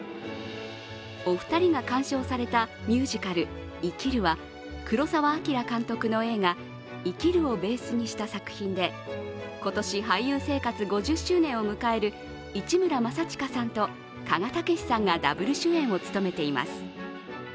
お二人が鑑賞されたミュージカル「生きる」は黒澤明監督の映画「生きる」をベースにした作品で今年俳優生活５０周年を迎える市村正親さんと鹿賀丈史さんがダブル主演を務めています。